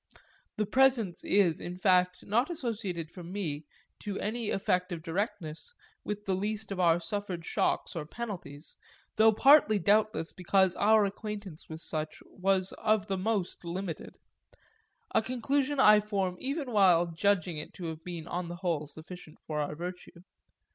That presence is in fact not associated for me, to any effect of distinctness, with the least of our suffered shocks or penalties though partly doubtless because our acquaintance with such was of the most limited; a conclusion I form even while judging it to have been on the whole sufficient for our virtue.